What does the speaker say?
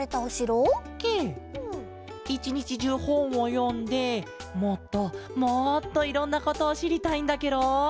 いちにちじゅうほんをよんでもっともっといろんなことをしりたいんだケロ。